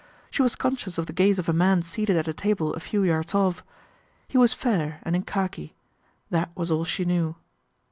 She was conscious of the gaze of a man seated at a table a few yards off. He was fair and in khaki. That was all she knew.